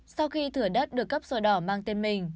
sau khi thửa đất được cấp sổ đỏ mang tên mình